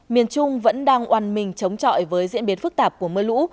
miền trung vẫn đang oàn mình chống chọi với diễn biến phức tạp của mưa lũ